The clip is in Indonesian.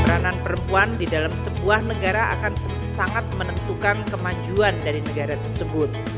peranan perempuan di dalam sebuah negara akan sangat menentukan kemajuan dari negara tersebut